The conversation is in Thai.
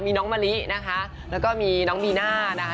มีน้องมะลินะคะแล้วก็มีน้องบีน่านะคะ